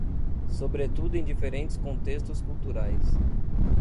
Sobretudo em diferentes contextos culturais